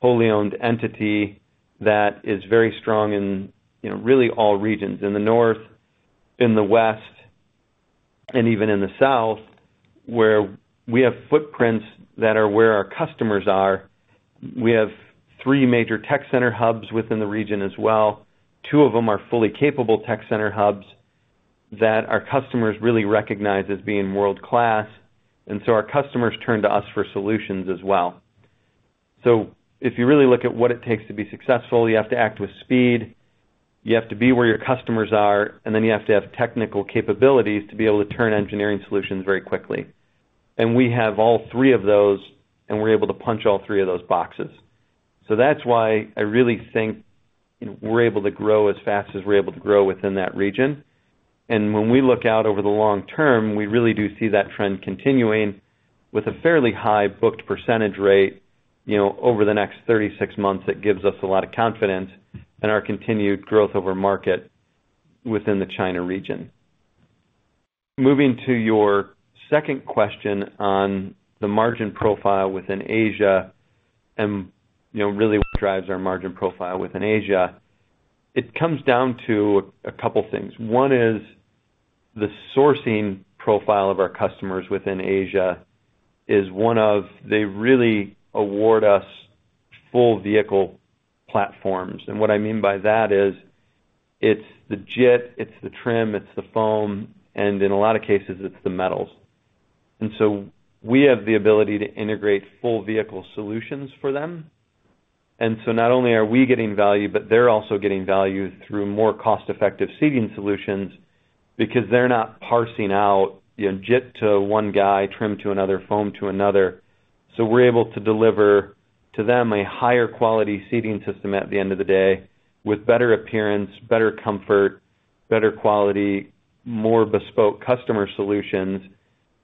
[SPEAKER 3] wholly-owned entity that is very strong in really all regions, in the north, in the west, and even in the south, where we have footprints that are where our customers are. We have three major tech center hubs within the region as well. Two of them are fully capable tech center hubs that our customers really recognize as being world-class. And so our customers turn to us for solutions as well. So if you really look at what it takes to be successful, you have to act with speed. You have to be where your customers are. And then you have to have technical capabilities to be able to turn engineering solutions very quickly. And we have all three of those, and we're able to punch all three of those boxes. So that's why I really think we're able to grow as fast as we're able to grow within that region. And when we look out over the long term, we really do see that trend continuing with a fairly high booked percentage rate over the next 36 months. It gives us a lot of confidence and our continued growth over market within the China region. Moving to your second question on the margin profile within Asia and really what drives our margin profile within Asia, it comes down to a couple of things. One is the sourcing profile of our customers within Asia is one of they really award us full vehicle platforms. And what I mean by that is it's the JIT, it's the Trim, it's the Foam, and in a lot of cases, it's the Metals. And so we have the ability to integrate full vehicle solutions for them. And so not only are we getting value, but they're also getting value through more cost-effective seating solutions because they're not parsing out JIT to one guy, trim to another, foam to another. So we're able to deliver to them a higher-quality seating system at the end of the day with better appearance, better comfort, better quality, more bespoke customer solutions.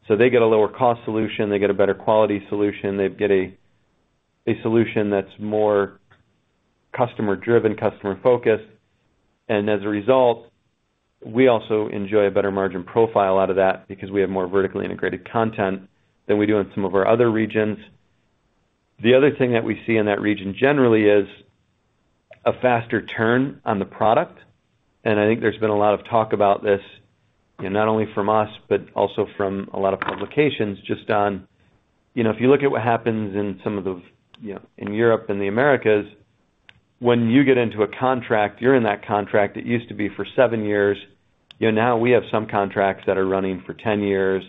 [SPEAKER 3] So they get a lower-cost solution. They get a better-quality solution. They get a solution that's more customer-driven, customer-focused. And as a result, we also enjoy a better margin profile out of that because we have more vertically integrated content than we do in some of our other regions. The other thing that we see in that region generally is a faster turn on the product. I think there's been a lot of talk about this, not only from us, but also from a lot of publications, just on if you look at what happens in some of them in Europe and the Americas, when you get into a contract, you're in that contract. It used to be for seven years. Now, we have some contracts that are running for 10 years.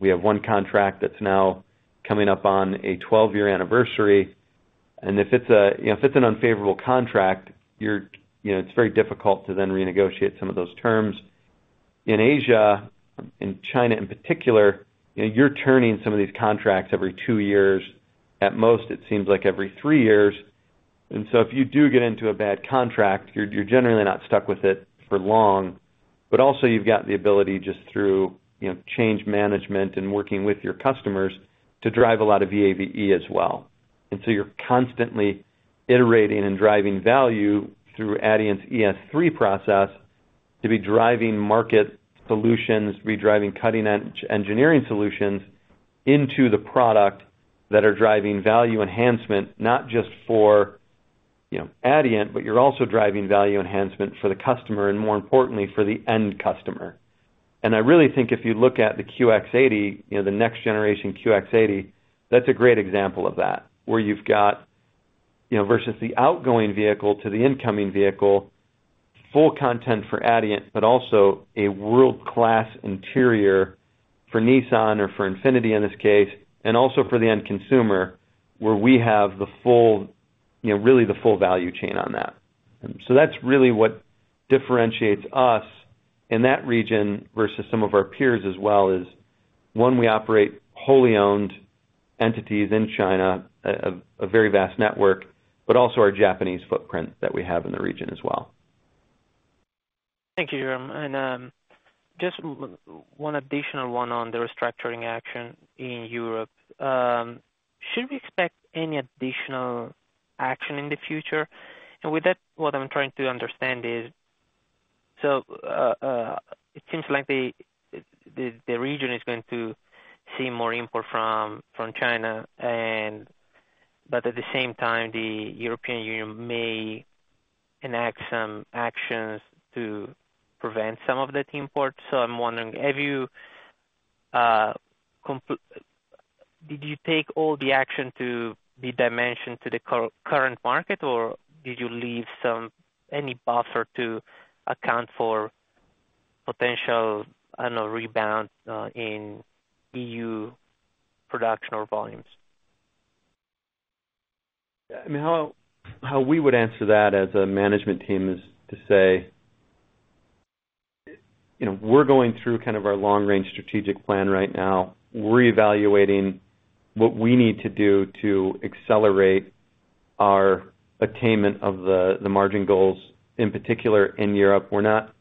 [SPEAKER 3] We have one contract that's now coming up on a 12-year anniversary. And if it's an unfavorable contract, it's very difficult to then renegotiate some of those terms. In Asia, in China in particular, you're turning some of these contracts every two years. At most, it seems like every three years. And so if you do get into a bad contract, you're generally not stuck with it for long. But also, you've got the ability just through change management and working with your customers to drive a lot of VAVE as well. And so you're constantly iterating and driving value through Adient's ES3 process to be driving market solutions, to be driving cutting-edge engineering solutions into the product that are driving value enhancement, not just for Adient, but you're also driving value enhancement for the customer and, more importantly, for the end customer. And I really think if you look at the QX80, the next-generation QX80, that's a great example of that, where you've got versus the outgoing vehicle to the incoming vehicle, full content for Adient, but also a world-class interior for Nissan or for Infiniti, in this case, and also for the end consumer, where we have really the full value chain on that. So that's really what differentiates us in that region versus some of our peers as well, is one, we operate wholly-owned entities in China, a very vast network, but also our Japanese footprint that we have in the region as well.
[SPEAKER 7] Thank you, Jerome. And just one additional one on the restructuring action in Europe. Should we expect any additional action in the future? And with that, what I'm trying to understand is so it seems like the region is going to see more import from China, but at the same time, the European Union may enact some actions to prevent some of that import. So I'm wondering, did you take all the action to be dimensioned to the current market, or did you leave any buffer to account for potential rebound in EU production or volumes?
[SPEAKER 3] I mean, how we would answer that as a management team is to say, "We're going through kind of our long-range strategic plan right now. We're evaluating what we need to do to accelerate our attainment of the margin goals, in particular, in Europe. We're not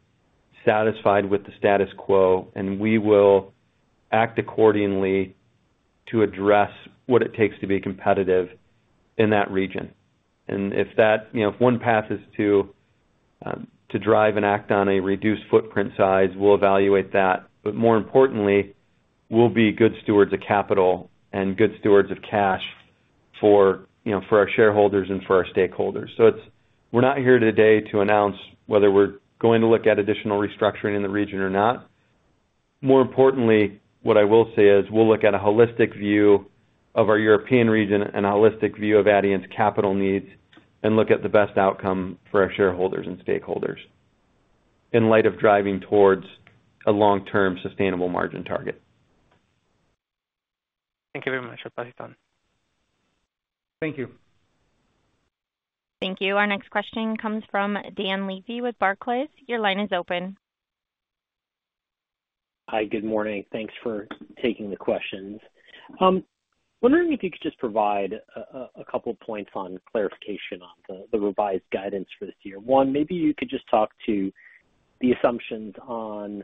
[SPEAKER 3] satisfied with the status quo, and we will act accordingly to address what it takes to be competitive in that region." And if one path is to drive and act on a reduced footprint size, we'll evaluate that. But more importantly, we'll be good stewards of capital and good stewards of cash for our shareholders and for our stakeholders. So we're not here today to announce whether we're going to look at additional restructuring in the region or not. More importantly, what I will say is we'll look at a holistic view of our European region and a holistic view of Adient's capital needs and look at the best outcome for our shareholders and stakeholders in light of driving towards a long-term sustainable margin target.
[SPEAKER 7] Thank you very much. [inaubile]
[SPEAKER 3] Thank you.
[SPEAKER 1] Thank you. Our next question comes from Dan Levy with Barclays. Your line is open.
[SPEAKER 8] Hi, good morning. Thanks for taking the questions. Wondering if you could just provide a couple of points on clarification on the revised guidance for this year. One, maybe you could just talk to the assumptions on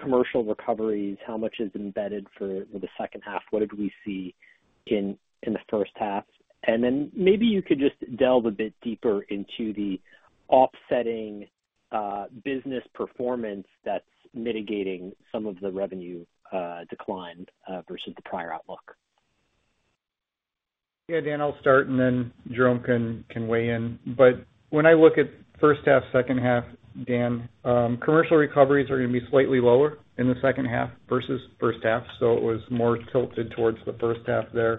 [SPEAKER 8] commercial recoveries, how much is embedded for the second half? What did we see in the first half? And then maybe you could just delve a bit deeper into the offsetting business performance that's mitigating some of the revenue decline versus the prior outlook.
[SPEAKER 4] Yeah, Dan, I'll start, and then Jerome can weigh in. But when I look at first half, second half, Dan, commercial recoveries are going to be slightly lower in the second half versus first half. So it was more tilted towards the first half there.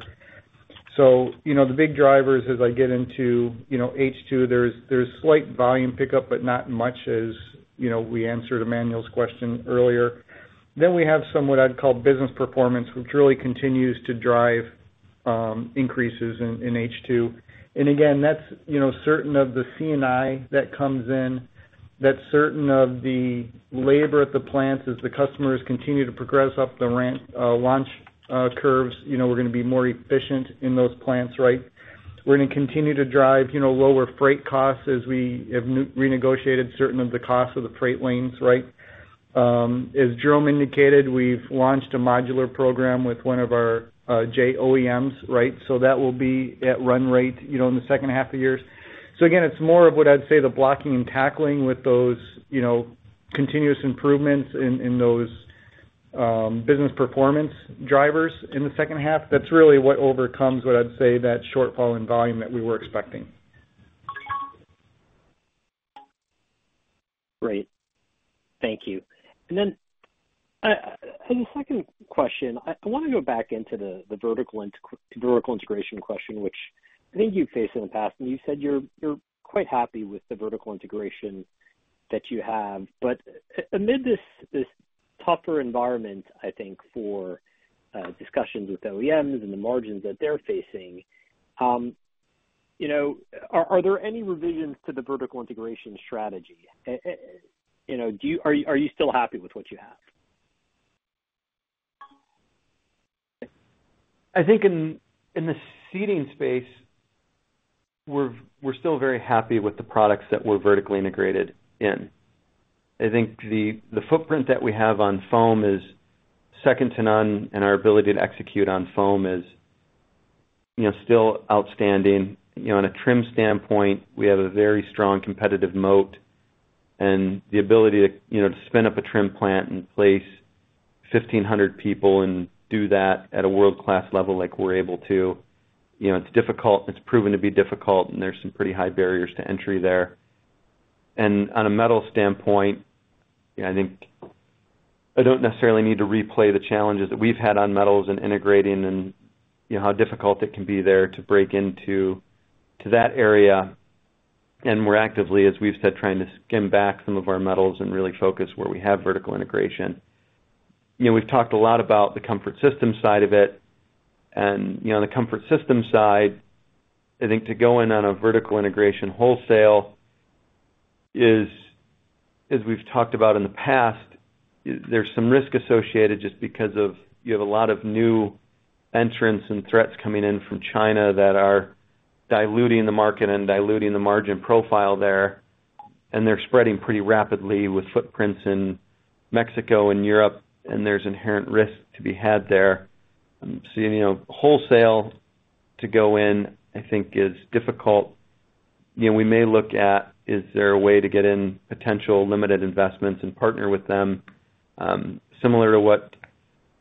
[SPEAKER 4] So the big drivers, as I get into H2, there's slight volume pickup, but not much as we answered Emmanuel's question earlier. Then we have some what I'd call business performance, which really continues to drive increases in H2. And again, that's certain of the C&I that comes in. That's certain of the labor at the plants as the customers continue to progress up the launch curves. We're going to be more efficient in those plants, right? We're going to continue to drive lower freight costs as we have renegotiated certain of the costs of the freight lanes, right? As Jerome indicated, we've launched a modular program with one of our OEMs, right? So that will be at run rate in the second half of years. So again, it's more of what I'd say the blocking and tackling with those continuous improvements in those business performance drivers in the second half. That's really what overcomes what I'd say that shortfall in volume that we were expecting.
[SPEAKER 8] Great. Thank you. And then as a second question, I want to go back into the vertical integration question, which I think you've faced in the past. And you said you're quite happy with the vertical integration that you have. But amid this tougher environment, I think, for discussions with OEMs and the margins that they're facing, are there any revisions to the vertical integration strategy? Are you still happy with what you have?
[SPEAKER 3] I think in the seating space, we're still very happy with the products that we're vertically integrated in. I think the footprint that we have on foam is second to none, and our ability to execute on foam is still outstanding. On a trim standpoint, we have a very strong competitive moat and the ability to spin up a trim plant and place 1,500 people and do that at a world-class level like we're able to. It's difficult. It's proven to be difficult, and there's some pretty high barriers to entry there. And on a metal standpoint, I don't necessarily need to replay the challenges that we've had on metals and integrating and how difficult it can be there to break into that area. And we're actively, as we've said, trying to skim back some of our metals and really focus where we have vertical integration. We've talked a lot about the comfort system side of it. On the comfort system side, I think to go in on a vertical integration wholesale, as we've talked about in the past, there's some risk associated just because you have a lot of new entrants and threats coming in from China that are diluting the market and diluting the margin profile there. They're spreading pretty rapidly with footprints in Mexico and Europe, and there's inherent risk to be had there. So wholesale to go in, I think, is difficult. We may look at, is there a way to get in potential limited investments and partner with them similar to what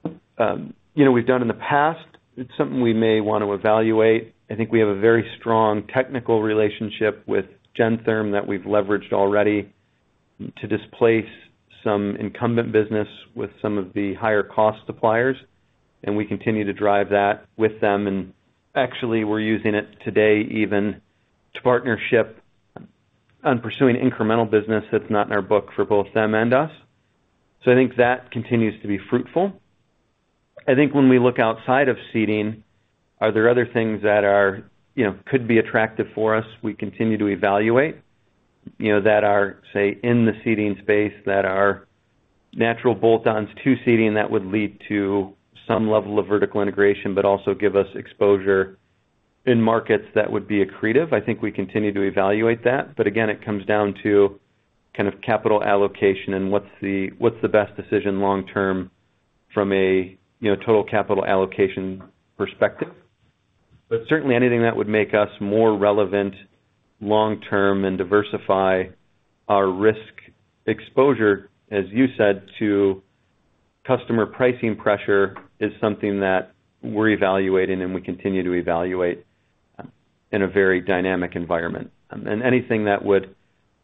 [SPEAKER 3] we've done in the past? It's something we may want to evaluate. I think we have a very strong technical relationship with Gentherm that we've leveraged already to displace some incumbent business with some of the higher-cost suppliers. We continue to drive that with them. Actually, we're using it today even to partnership on pursuing incremental business that's not in our book for both them and us. I think that continues to be fruitful. I think when we look outside of seating, are there other things that could be attractive for us we continue to evaluate that are, say, in the seating space, that are natural bolt-ons to seating that would lead to some level of vertical integration but also give us exposure in markets that would be accretive? I think we continue to evaluate that. Again, it comes down to kind of capital allocation and what's the best decision long-term from a total capital allocation perspective. But certainly, anything that would make us more relevant long-term and diversify our risk exposure, as you said, to customer pricing pressure is something that we're evaluating, and we continue to evaluate in a very dynamic environment. And anything that would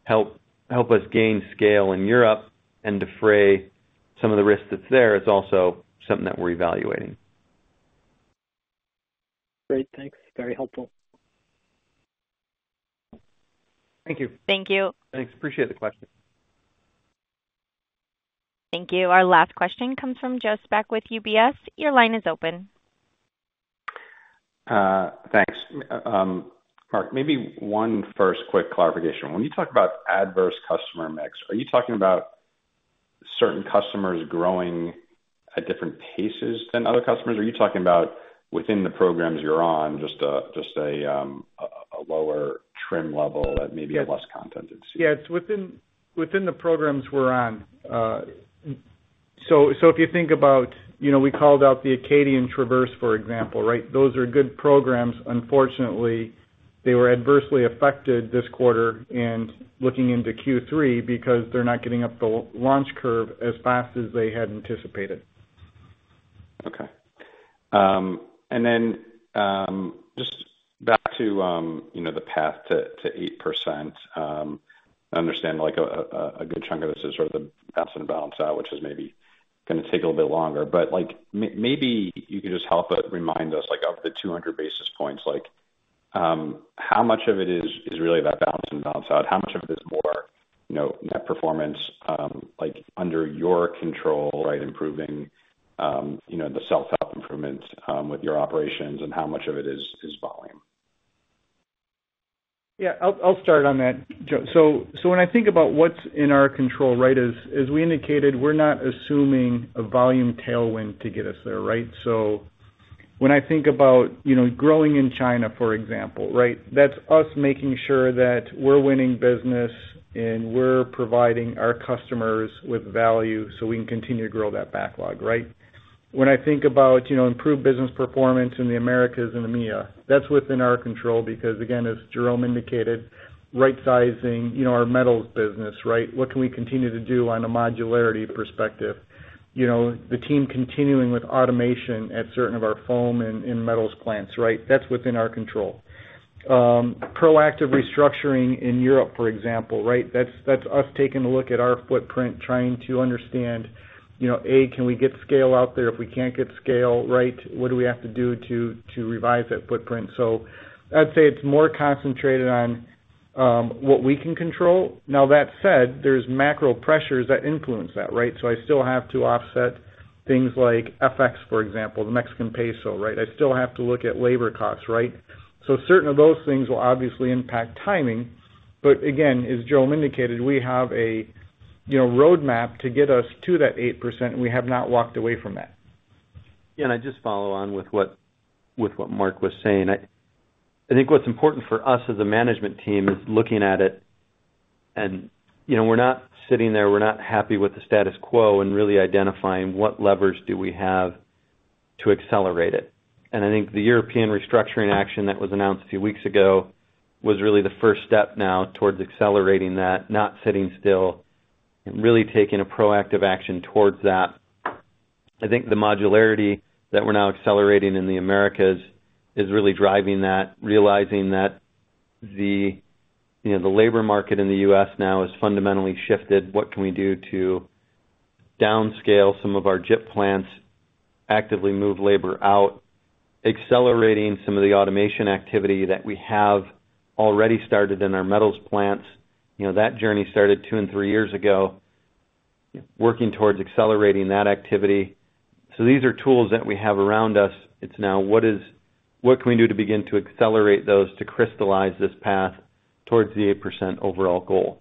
[SPEAKER 3] help us gain scale in Europe and defray some of the risk that's there is also something that we're evaluating.
[SPEAKER 8] Great. Thanks. Very helpful.
[SPEAKER 4] Thank you.
[SPEAKER 1] Thank you.
[SPEAKER 3] Thanks. Appreciate the question. Thank you. Our last question comes from Joseph Spak with UBS. Your line is open. Thanks, Mark. Maybe one first quick clarification. When you talk about adverse customer mix, are you talking about certain customers growing at different paces than other customers? Are you talking about within the programs you're on, just a lower trim level that maybe have less content in seating?
[SPEAKER 4] Yeah. It's within the programs we're on. So if you think about we called out the Acadia and Traverse, for example, right? Those are good programs. Unfortunately, they were adversely affected this quarter and looking into Q3 because they're not getting up the launch curve as fast as they had anticipated.
[SPEAKER 9] Okay. And then just back to the path to 8%. I understand a good chunk of this is sort of the balance in, balance out, which is maybe going to take a little bit longer. But maybe you could just help remind us of the 200 basis points. How much of it is really that balance in, balance out? How much of it is more net performance under your control. Right, improving the self-help improvements with your operations, and how much of it is volume?
[SPEAKER 4] Yeah. I'll start on that, Joe. So when I think about what's in our control, right, as we indicated, we're not assuming a volume tailwind to get us there, right? So when I think about growing in China, for example, right, that's us making sure that we're winning business and we're providing our customers with value so we can continue to grow that backlog, right? When I think about improved business performance in the Americas and EMEA, that's within our control because, again, as Jerome indicated, right-sizing our metals business, right? What can we continue to do on a modularity perspective? The team continuing with automation at certain of our foam and metals plants, right? That's within our control. Proactive restructuring in Europe, for example, right? That's us taking a look at our footprint, trying to understand, A, can we get scale out there? If we can't get scale, right, what do we have to do to revise that footprint? So I'd say it's more concentrated on what we can control. Now, that said, there's macro pressures that influence that, right? So I still have to offset things like FX, for example, the Mexican peso, right? I still have to look at labor costs, right? So certain of those things will obviously impact timing. But again, as Jerome indicated, we have a roadmap to get us to that 8%, and we have not walked away from that.
[SPEAKER 3] Yeah. I'd just follow on with what Mark was saying. I think what's important for us as a management team is looking at it. And we're not sitting there. We're not happy with the status quo and really identifying what levers do we have to accelerate it. And I think the European restructuring action that was announced a few weeks ago was really the first step now towards accelerating that, not sitting still, and really taking a proactive action towards that. I think the modularity that we're now accelerating in the Americas is really driving that, realizing that the labor market in the U.S. now is fundamentally shifted. What can we do to downscale some of our JIT plants, actively move labor out, accelerating some of the automation activity that we have already started in our metals plants? That journey started two and three years ago. Working towards accelerating that activity. So these are tools that we have around us. It's now, what can we do to begin to accelerate those to crystallize this path towards the 8% overall goal?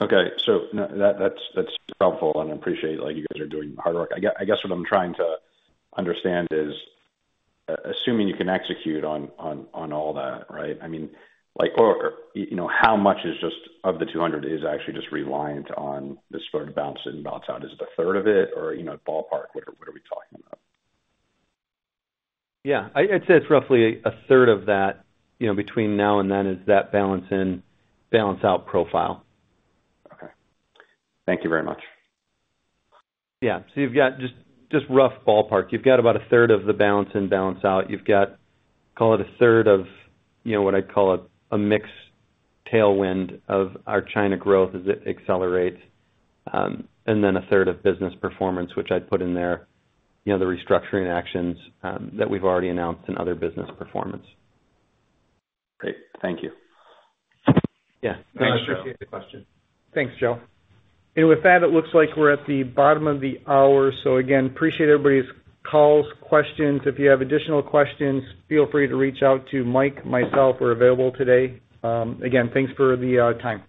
[SPEAKER 9] Okay. So that's helpful, and I appreciate you guys are doing hard work. I guess what I'm trying to understand is, assuming you can execute on all that, right? I mean, or how much of the $200 is actually just reliant on this sort of balance in, balance out? Is it a third of it, or ballpark, what are we talking about?
[SPEAKER 4] Yeah. I'd say it's roughly a third of that. Between now and then is that balance in, balance out profile. Okay. Thank you very much. Yeah. So you've got just rough ballpark. You've got about a third of the balance in, balance out. You've got, call it, a third of what I'd call a mixed tailwind of our China growth as it accelerates, and then a third of business performance, which I'd put in there, the restructuring actions that we've already announced and other business performance.
[SPEAKER 9] Great. Thank you.
[SPEAKER 3] Yeah. Thanks, Joe. I appreciate the question.
[SPEAKER 4] Thanks, Joe.
[SPEAKER 3] With that, it looks like we're at the bottom of the hour. Again, appreciate everybody's calls, questions. If you have additional questions, feel free to reach out to Mike. Myself, we're available today. Again, thanks for the time.